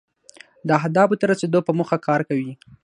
دا اهدافو ته د رسیدو په موخه کار کوي.